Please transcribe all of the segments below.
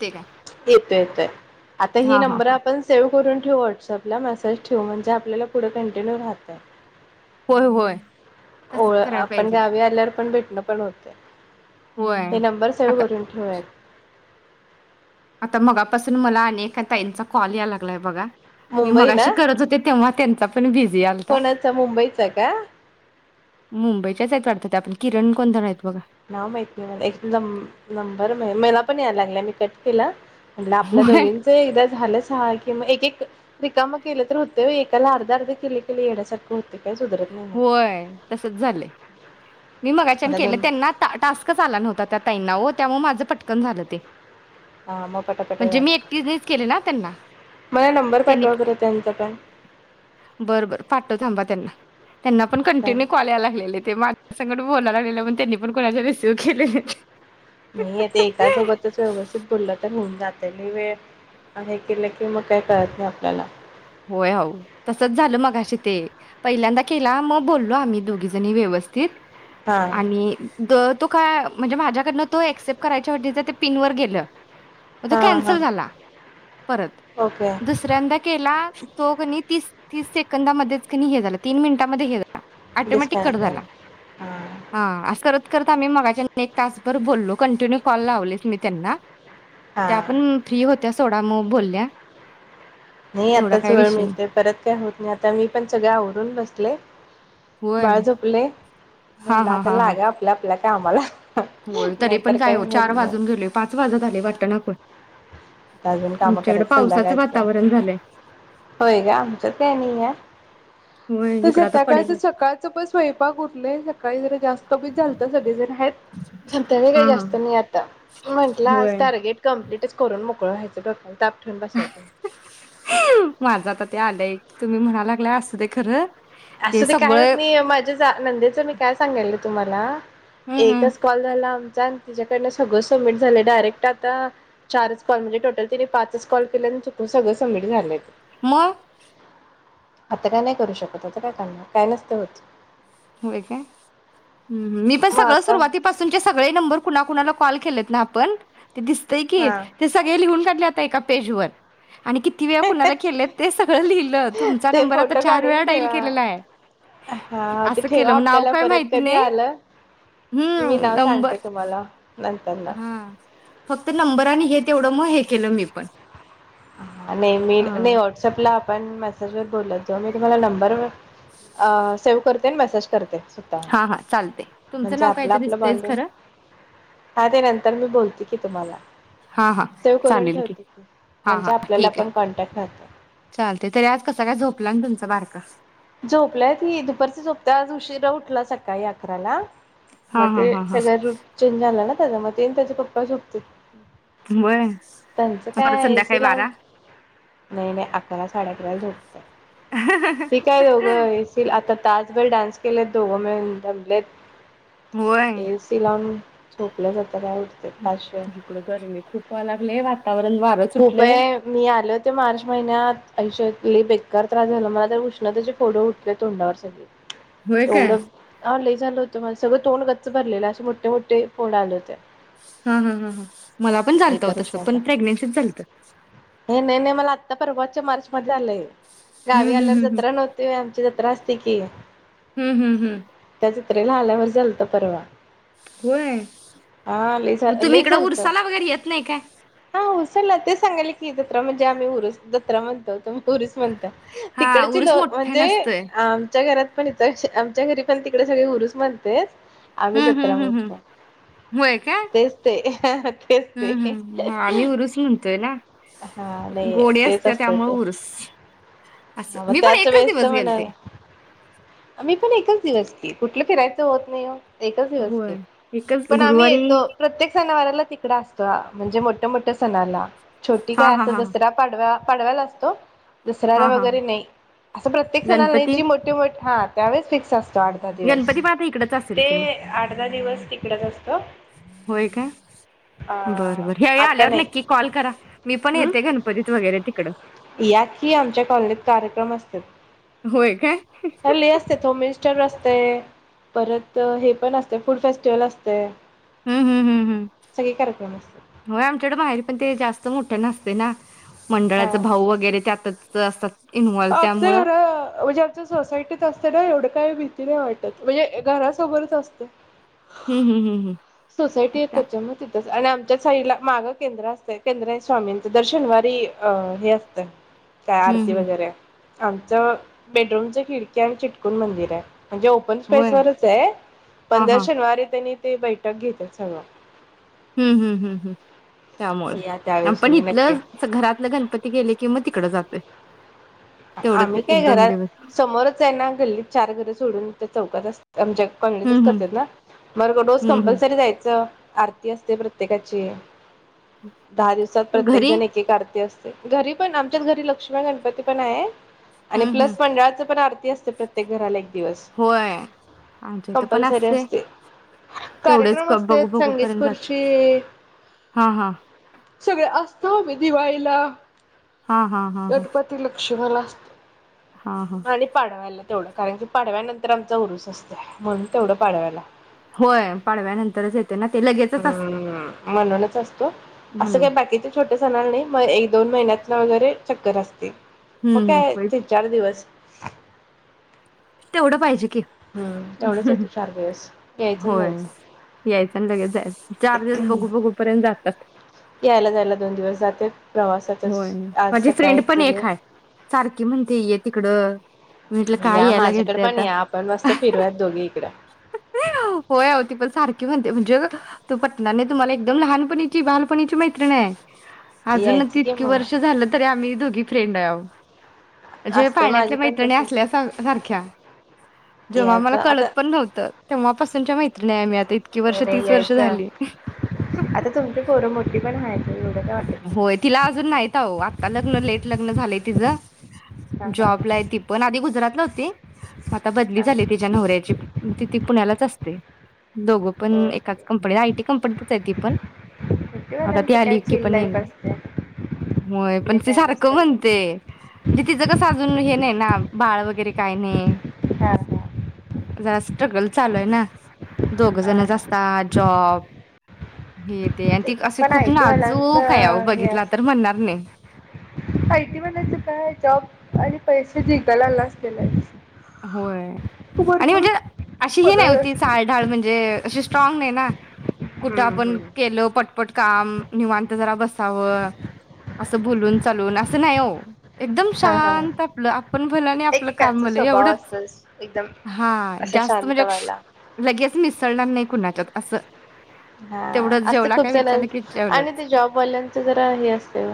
ते काय येतोय येतोय आता ही हा हा नंबर हा आपण सेव्ह करून ठेवू व्हॉट्सअपला मेसेज ठेवू म्हणजे आपल्याला पुढं कंटिन्यू राहता. होय होय. तसंच ओळ करायला आपण पाहिजे गावी आल्यावर पण भेटणं पण होतय, होय हे नंबर आता सेव्ह करून ठेवूयात. आता मगापासून मला अनेक ताईंचा कॉल यायला लागलाय बघा. मी मुंबई मगाशी ना करत होते तेव्हा त्यांचा पण बिझी यालता. कोणाचा मुंबईचा का? मुंबईच्याच आहेत वाढतात ते आपण किरण कोणतर आहेत बघा. नाव माहीत नाही मला एक नंबर मला पण यायला लागला मी कट केला. म्हटल आपल्या होय दोघींच एकदा झालंच स कि मग एक एक रिकाम केलतर होतेय एकाला अर्धा अर्धे केले केले येडयासारख होतय. काय सुधरत नाही मग. होंय, तसच झालंय. मी मगाच्यान मला केलं दोन त्यांना आता टास्कच आला नव्हता त्या ताईंना ओ. त्यामुळ माझं पटकन झालं ते. हा मग पटापटा म्हणजे झाला. मी एकटीनेच केले ना त्यांना मला नंबर त्यांनी, पाठवा बरं त्यांचा बंर बंर पाठवतो थांबा त्यांना. त्यांना पण कंटिन्यू काॅल यालागलेले ते- सगंट बोलालागलेलो म्हणून त्यांनी पण कोणाचे रिस्यू केलेले नाही आता एका सोबतच व्यवस्थित बोललं तर होइल जातेली वेळ अं हे केलं की मग काही कळत नाही आपल्याला होयआवो तसच झालं मगाशी ते पहिल्यांदा केला मग बोललो आम्ही दोघी जणी व्यवस्थित हा आणि द तू का म्हणजे माझ्याकडनं तो ऑक्सेप्ट करायच्या वाटणीच ते पिनवरर गेलं मग तो हा हा कॅन्सल झाला परत ओके दुसऱ्यांदा केला तो किनी तीस- तीस सेकंदामध्येच हे झाला तीन मिनिटामध्ये हे झा- ऑटोमॅटिक कट डिस्कनेक्ट झाला झालं हा हां अस करत करत आम्ही मगाच्यांन एक तासभर बोललो कंटिन्यू कॉल लावलेच मी त्यांना हा त्या पण फ्री होत्या - थोडा मग बोलल्या नाही एवढा आताच काय वेळ विषय नाही मिळते परत काय होत नाही आता मी पण सगळे आवरून बसले होय बाळ झोपलय- हा म्हणला हा आता हा हा लाग आपल्या आप ल्या कामाला होय तरी नाहीतर पण काय काही होत चार नाही वाजून गेले पाच वाजत आले वाटना पण आता अजून कामं आमच्याकडे करायच पावसाचं संध्याकाळचं वातावरण झालंय होय का आमच्यात काय नईय होय तर इकडं आता संध्याकाळच पडेल सकाळचं पण स्वयंपाक उरलय सकाळी जरा जास्त कमी झालत सगळे जण आहेत संध्याकाळी हा काही हा जास्त नाही आता म्हंटलं आज होय टार्गेट कंप्लीटच करून मोकळं डोक्याला ताप ठेवून बसायचं. माझा आता ते आलंय तुम्ही म्हणालागला असू दे खरं ते असू दे काही होत सगळं नाही माझ्या जा- नंदेचं मी काय सांगायल- तुम्हाला- हम्म हम्म एकच कॉल झाला आम- तिच्याकडंन सगळं सबमिट झालंय डायरेक्ट आता चारच कॉल म्हणजे टोटल तिने पाचच कॉल केले आणि चुकून सगळं सबमिट झालंय. म. आता काय नाही करू शकत आता काय करणार काय नसत होत. होय काय - हम्म हम्म मी पण मग सगळं आता सुरुवातीपासूनचे सगळे नंबर कुणा कुणाला - कॉल केलेत ना आपन- ते दिसतय की हा ते सगळे लिहून काढले एका पेज वर आणि किती वेळा कुणाला केलेत ते सगळं लिहिलं तुमचा ते नंबर आता फोटो चार वेळा काढून डाईल ठेवा केलेलाय. हा ते सेव केल ठेवा नाव आपल्याला काय परत माहिती कधी नाही आलं मी हम्म नाव सांगते नंबर. तुम्हाला नंतर न हा फक्त नंबर आणि हे तेवढं मग हे केलं मी पण नाही मी अ नाही व्हॉट्सअपला पण मेसेजवर बोलत जाऊ मी तुम्हाला नंबर अ सेव करत- ते मॉसेज करते. हा हा चालते तुमचं म्हणजे नाव काय आपलं तर आपल दिसतंयच बॉडिंग खरं हा ते नंतर मी बोलते तुम्हाला. हा हा सेव करून चालेल ठेवते की हा हा म्हणजे आपल्याला ठीके पण कॉन्टॅक्ट राहतो चालते तरी आज कस काय झोपला तु बारका. झोपलाय की दुपारचा झोपताय आज उशीरा उठला सकाळी अकराला हा मग हा ते हा हा सगळ रूट चेंज झाला ना. मग तेन त्याचे पपा झोपते. होय त्यांचं परत काय संध्याकाळी एसी लावून बारा नाही नाही अकरा साडे अकराला झोपत. दोघं ये [inaudible] आता [unintelligible] डान्स केलेत दोघ मिळुन दमलेत. होय ऐ सी लाउन. झोपल्या जात. [unintelligible] पाचशे इकडे गरमी खूप व्हाय लागले वातावरण वारं सुटलंय खूपये मी आले होते मार्च महिन्यात ऐश [unintelligible] लइ बेकार त्रास झा मला त्या उष तेचे फोड उठले तोंडावर सगळे. होय काय एवढ हाले झाल होत माझ सगळं तोंड गच्च भरलेल असे मोठे मोठे फोड आले होते. ह्म्म ह्म्म मला पण झालत बेकार तस हो उष्णता पण प्रेग्नेन्सीत झालत. आता परवाच्या मार्च मध्ये आलंय. हम्म गावी हम्म आल्यावर हम्म जर नव्हते आमची राश शिखिये [inaudible] हम्म हम्म हम्म तिसरीला आल्यावर गेलतो परवा होय हा लई मग तुम्ही लई इकड झालतं उरसाला वगैरे येत नाही काय चला ते सांगाल की जत्रा म्हणजे आम्ही उर जत्रा म्हणतो पुरुष म्हणत्यात हा इकडची उरूस लोक मोठा म्हणजे नसतोय. आमच्या घरात पण इथ आमच्या घरी पण तिकडे सगळे उरस म्हणतेत हम्म हम्म हम् हम् व्हय काय तेच ते तेच हम् ते हम् आम्ही उरुस म्हणतोय ना हा नाही. गोडी तेच असते असतं त्यामुळे उरुस अस पण त्याच वेळेसच म्हणा मी पण एकच दिवस की कुठलं फिरायचं होत नाही हो एकच दिवस होय एकच पण आम्ही गुरुवारी येतो प्रत्येक सना वाराला तिकड असता म्हणजे मोठ्या मोठ्या सणाला छोटी हा हा काय हा दसरा पाडवा पाडव्याला असतो दसऱ्याला हा हा वगैरे नाही असं प्रत्येक सणाला गणपती जी मोठे मोठ हा त्यावेळेस फिक्स अस आठ दहा दिवस गणपती पण आता इकडच असेल ते की मग आठ दहा दिवस तिकडच असतो होय काय? अ बरं बरं ह्यावेळी आता आल्यावर नाही नक्की कॉल करा. मी पण हम् येते गणपतीत वगैरे तिकडं या कि आमच्या कॉलनीत कार्यक्रम होय काय? असत्यात हल्ली असत्यात होम मिनस्टर ते परत हे पण असतय फूड फेस्टिवल असतय हम्म हम् हम्म हम् असतात होय आमच्याकडं आहेत पण ते जास्त मोठ ना पिना मंडळाच भाऊ वगैरे त्यातच च असतात इन्व्हॉल्व आपच त्यामुळं ना म्हणजे आमच्या सोसायटीत असते ना एवढं काय माहीत ते बी आवडल म्हणजे घरासोबरच असतय हम्म हम्म हम्म हम्म त्याच्यामुळे आणि आमच्या साईला माग केंद्र असत केंद्र स्वामींच दर शनिवारी अ हे असतय काय हम्म आरती हम्म वगैरे आमच बेडरूमच्या खिडक्या अन चिटकुन मंदिर आहे म्हणजे ओपन होय स्पेस वरचे हा आहे हा शनिवारी त्यांनी ते बैठक घेतात सगळं. हम्म हम्म हम्म हम्म. त्यामुळे या त्यावेळेस आपण तुम्ही नक्की इथलच घरातलं गणपति गेले की मग तिकड जातो. [inaudible] आम्ही काय घरात समोरच आहे ना गल्लीत चार घर. सोडून त्या चौकात असत. आमच्यात कॉलनीतच हम्म हम्म करत्यात ना, मग रोज हम्म हम्म कंपल्सरी जायच? आरती असते प्रत्येकाची. दहा दिवसात प्रत्येक घरी जण एक एक आरती असते. घरी पण आमच्याच घरी लक्ष्मी पण आहे आणि हम्म हम्म प्लस मंडळाच पण आमच तेच तर प्रत्येक घराला एक. दिवस, होय आमच्या इथं पण कंपल्सरी असते. तेवढेच कार्यक्रम क- असते. बघू बघू संगीत पर्यंत खुर्चि जातात हा हा सगळे अस तो विधि व्हायला हा हा हा हा. ति लक्ष्मिला असते. हा हा आणि पाडव्याला. तेवढं काय पाडव्यानंतर आमचा उरूस असतोय म्हणुन तेवढ पाडव्याला. होय पाडव्यानंतरच येत. हम्म म्हणूनच असतो असं म्हणून काही बाकीचे छोट सणाल नाही मग एक दोन महिन्यात न वगैरे चक्कर असते. मग हम्म काय होय. तीन चार दिवस. तेवढं पाहिजे. हम्म तेवढंच येतो चार दिवस यायचं आणि होय, जायचं. यायचं लगेच जायच चार दिवस बघु बघु पर्यंत जातात. यायला जायला दोन दिवस जाते प्रवासातच होय आज माझी फ्रेंड सकाळीच. पण एक हाय सारखी म्हणते ये तिकडं मी म्हटलं काय या यायला माझ्या [unintelligible] घडतंय पण आता या आपण मस्त फिरुया दोघी इकडं. होय आहो ती पण सारखी म्हणते म्हणजे ते [unintelligible] तुंम्हाला एकदम लहाणपणीची बालपणीची मैत्रिण आहे. अजून यायचं कि किती मग. वर्ष झालं तरी आम्ही दोघी फ्रेंड आहोत. म्हणजे असतंय माझी पाळण्यातल्या पण मैत्रिणी तसच असल्यासारखं सारख्या जेव्हा मला यायचं कळत आता पण नव्हतं तेव्हापासूनच्या मै [inaudible] [unintelligible] हे नाय घ्यायचं. आता तुमची पोर मोठी पण हाईत. [unintelligible] [inaudible] होय तिला अजून नाय तवा आता लग्न लेट लग्न झालंय तिझं हा जॉबला हा ऐ-ती पण आधी गुजरातला हुती. आता बदली झाली हा तिच्या नवऱ्याची तिती पुण्यालाच असते. दोघ पण एकाच ओके. कंपनी आयटी कंपनीतच हाय ती पण आता ती सुट्टीवाल्यांचं काय आली की चिल पण लाईफ इना. असते होय. पण आपले ते काय सारखं नसते लोक म्हणतंय म्हणजे तिचं कसं अजून हे नाही ना बाळ वगेरे काय नय हा हा. जरा स्ट्रगल चालू आहे ना. दोघ हा जणच हा असतात चॉ-ओ गी-र ते आणि ती अस खूप [unintelligible] नाजूक आयटी आहे अहो बघितला तर म्हणणार नाही वाल्यांच काय जॉब [inaudible] पैसे जिंकायला लागतेल होय आणि म्हणजे अशी ही नाय पगार होती असते चाळढाळ म्हणजे [unintelligible] स्ट्रॉग नाही ना. कुठं हम्म आपण हम्म गेलो पटपट काम निवांत जरा बसाव, असं बुलून चालून असं नाय ओ. एकदम हा हा शांत आपलं आपण भलं आणि आपलं काम एकेकांचा भलं एवढं स्वभाव असतो एकदम हा असं जास्त म्हणजे शांतवाला लगेच मिस णार नाही कुच्यात अस हा असं खूप जण की आणि जेवलंच ते जॉबवाल्यांचं जरा हे असते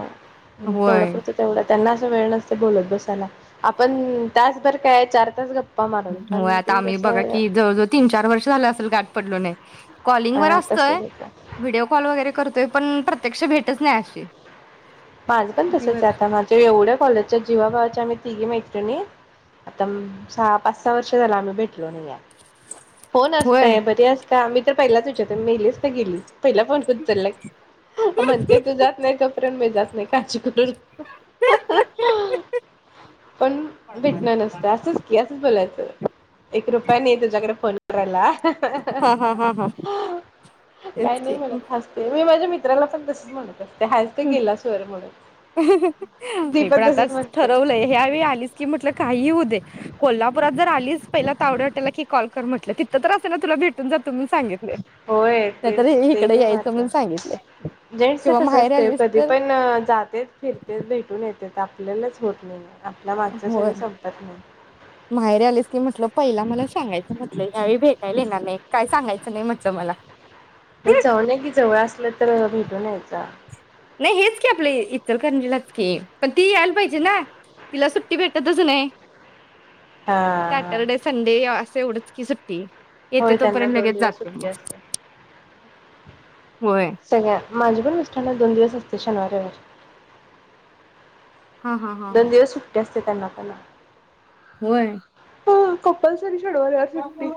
तेवढं होय कचं तेवढं त्यांना असं वेळ नसत बोलत बसायला आपण तासभर काय चार तास मारून हो पण आता ती आम्ही बघा कसं कि जवळजवळ तीन चार वर्ष झालं असेल गाठ पडलो नाही ह कॉलिंग वर अ असतोय तसच होत व्हिडिओ कॉल वगैरे करतो ते पण प्रत्यक्ष भेटच नाही अशी. माझं पण तसच आता माझ्या एवढ्या कॉलेजच्या जीवाभावाच्या आम्ही तिघी मैत्रीणी. आता सहा पाच सहा वर्ष झालं आम्ही भेट फोन होय असतय बरी असत आम्ही तर पहिलाच विचारतो मेलीस का गेलीस. पहिला फोन उचलला की म्हणते तू जात नाही तोपर्यंत मी जात काची कुटर पण भेटणार नसतं असंच की असंच बोलायचं एक रुपया नाही तुझ्याकडे फोन [unintelligible] हा हा हा हा काही तेच नाही की म्हणत हम्म हासतोय मी माझ्या मित्रा फिरायला चालतेस मग [unintelligible] त केलं मी पण आता तसच म्हणते ठरवलंय ह्या वेळेस आलीस की म्हटलं काहीही होऊदे कोल्हापुरात जर आलीच पहिला तावडे हॉटेल की कॉल कर म्हटलं तिथं तर असे ना तुला भेटून जातो म्हणून सांगितलय होय तेच नाहीतर तेल इकडे यायचं मात्र म्हणून सांगितलय जेंट्सच किंवा कस माहेरी असतेय आलीस कधी तर पण जातेेत फिरतेत भेटून आपल्यालाच होत नाही आपल्या मागचं होय सगळं संपत नाही. माहेरी आलीस की म्हटलं पहिला मला सांगायचं म्हटलं यावेळी भेटायला येणार नाही काय सांगायचं नाही म्हटलं मला जाऊन या कि जवळ असलं तर भेटून यायचा नाही हेच की आपल इचलकरंजीलाच की पण ती यायला पाहिजे ना तिला सुट्टी भेटतच नाहीय हा हा सॅटरडे संडे या तेवढच की सुट्टी येतो होय त्यांना तोपर्यंत दोन लगेच दिवस जाते सुट्टी मग असते. होय सगळ्या माझे पण मिस्टराना दोन दिवस असते शनिवार रविवार हा हा हा दोन हा दिवस सुट्टी असते त्यांना होय कपलसरी चडवल्यावर सुट्टी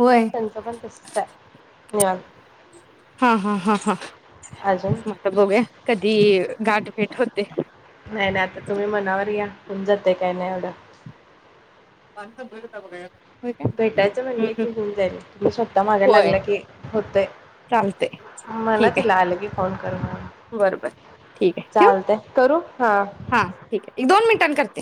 होय त्यांच पण तसच आहे निवांत हां हां अजून मग आता बघूया कधी गाठभेट होते नाही नाही आता तुम्ही मनावर घ्या होऊन जातय का नाही एवढं माझ कंप्लीट होतात बगा आज भेटायचं म्हणले की होऊन जाईल तुम्ही स्वतः मागा होय लागला की होतय चालतय म्हणा ठीक तिला आलं की फोन कर म्हणून आहे बरोबर ठीक आहे ठेवू चालतंय करू हां हा ठीक आहे एक दोन मिनिटांनी करते